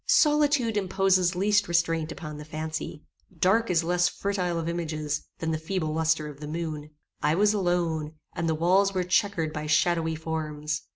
Solitude imposes least restraint upon the fancy. Dark is less fertile of images than the feeble lustre of the moon. I was alone, and the walls were chequered by shadowy forms.